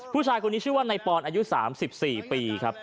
ผู้ชายคนนี้ชื่อว่านายปอนอายุ๓๔ปีครับ